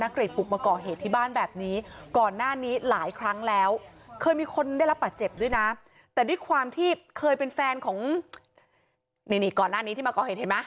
เขาเคยเป็นแฟนของนี่ก่อนหน้านี้ที่มาเกาะเห็นไหม